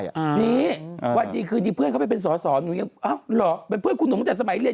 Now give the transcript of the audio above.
นี่วันอีกคืนที่เพื่อนเขาไปเป็นสอสอเป็นเพื่อนคุณหนุ่มตั้งแต่สมัยเรียน